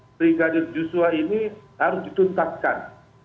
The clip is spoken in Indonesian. brigadir joshua ini harus dituntaskan